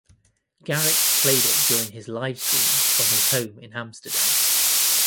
Garrix played it during his live stream from his home in Amsterdam.